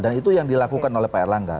dan itu yang dilakukan oleh pak erlangga